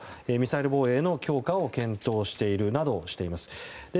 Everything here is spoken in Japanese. ミサイル防衛の強化を検討しているなどしています。